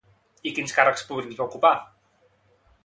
I quins càrrecs públics va ocupar?